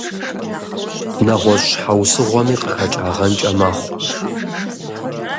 НэгъуэщӀ щхьэусыгъуэми къыхэкӀагъэнкӀэ мэхъу.